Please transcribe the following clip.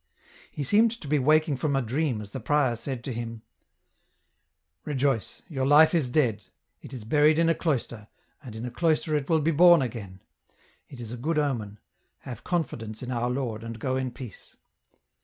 He seemed to be waking from a dream as the prior said to him, '* Rejoice, your life is dead ; it is buried in a cloister, and in a cloister it will be born again ; it is a good omen ; have confidence in our Lord and go in peace."